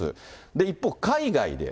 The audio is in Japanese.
一方、海外で。